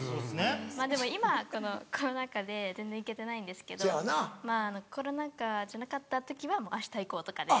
でも今このコロナ禍で全然行けてないんですけどまぁコロナ禍じゃなかった時はもう明日行こうとかで。